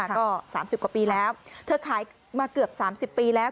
ก็๓๐กว่าปีแล้วเธอขายมาเกือบ๓๐ปีแล้ว